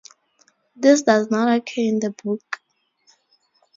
This does not occur in the book.